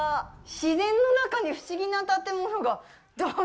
自然の中に不思議な建物がどん！